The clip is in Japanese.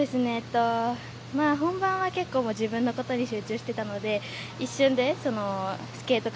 本番は結構、自分のことに集中してたのでスケート